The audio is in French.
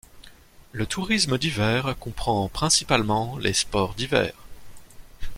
Le tourisme d'hiver comprend principalement les sports d'hiver.